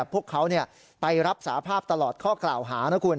พวกเขาไปรับสาภาพตลอดข้อกล่าวหานะคุณ